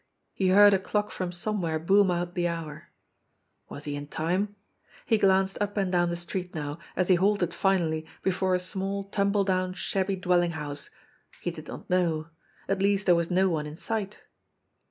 He heard a clock from somewhere boom out the hour. Was he in time ? He glanced up and down the street now, as he halted finally before a small, tumble down, shabby dwelling house. He did not know. At least there was no one in sight.